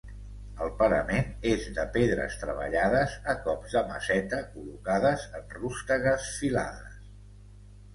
El parament és de pedres treballades a cops de maceta col·locades en rústegues filades.